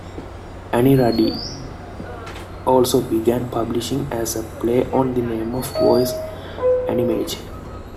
AniRadi also began publishing as a play on the name of "Voice Animage".